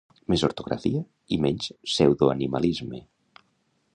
Més ortografia i menys pseudoanimalisme